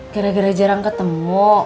gara gara jarang ketemu